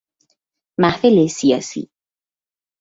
محفل سیاسی